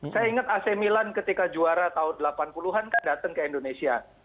saya ingat ac milan ketika juara tahun delapan puluh an kan datang ke indonesia